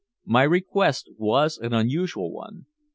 My request was an unusual one.